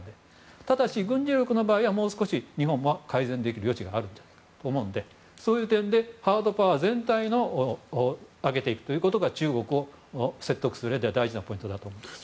ただし軍事力の場合は日本も改善できる余地があるんじゃないかと思うのでそういう点でハードパワー全体を上げていくということが中国を説得するうえでは大事なことだと思います。